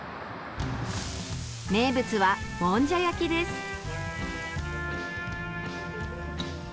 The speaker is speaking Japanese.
名物は、もんじゃ焼きです。